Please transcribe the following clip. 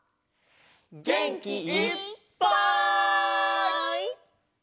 げんきいっぱい！